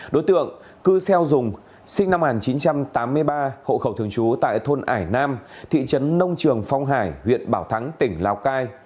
đối tượng cư xeo dùng sinh năm một nghìn chín trăm tám mươi ba hộ khẩu thường trú tại thôn ải nam thị trấn nông trường phong hải huyện bảo thắng tỉnh lào cai